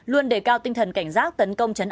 luôn đề cao tinh thần cảnh giác tấn công chấn áp